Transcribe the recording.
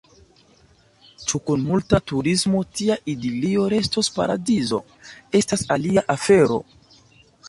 Ĉu kun multa turismo tia idilio restos paradizo, estas alia afero.